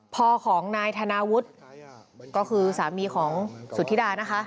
พ่อของนายธนาวุฒิก็คือสามีของสุธิดานะคะ